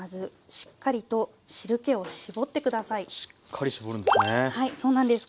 しっかり絞るんですね。